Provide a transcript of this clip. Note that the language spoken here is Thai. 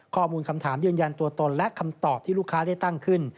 ข้อมูลคำถามยืนยันตัวตนและคำตอบที่ลูกค้าได้ตั้งขึ้น